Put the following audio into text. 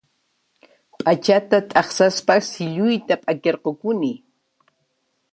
P'achata t'aqsaspa silluyta p'akirqukuni